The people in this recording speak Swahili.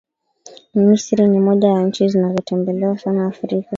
Misri ni moja ya nchi zinazotembelewa sana Afrika